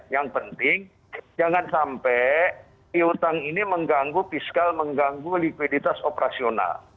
yang penting jangan sampai piutang ini mengganggu fiskal mengganggu likuiditas operasional